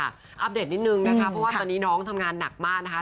อัปเดตนิดนึงนะคะเพราะว่าตอนนี้น้องทำงานหนักมากนะคะ